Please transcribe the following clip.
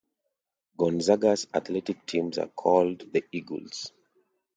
Gonzaga's athletic teams are called the Eagles.